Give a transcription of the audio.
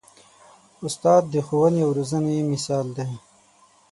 استاد د ښوونې او روزنې مثال دی.